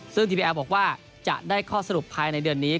ซึ่งทีวีแอลบอกว่าจะได้ข้อสรุปภายในเดือนนี้